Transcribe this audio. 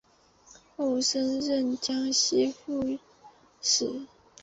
后升任江西副使。